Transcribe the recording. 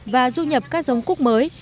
và du nhập các giống cúc mới